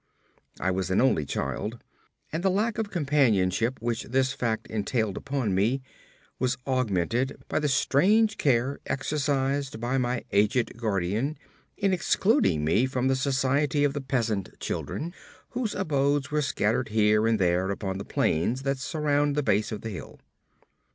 I was an only child, and the lack of companionship which this fact entailed upon me was augmented by the strange care exercised by my aged guardian in excluding me from the society of the peasant children whose abodes were scattered here and there upon the plains that surround the base of the hill.